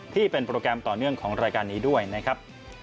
ที่เป็นโปรแกรมต่อเนื่องของรายการนี้ด้วยนะครับ